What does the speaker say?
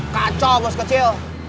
kacau bos kecil